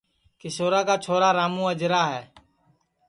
کیشورا کا چھورا راموں اجرا ہے